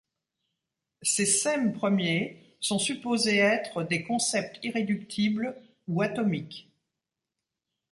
Ces sèmes premiers sont supposés être des concepts irréductibles ou atomiques.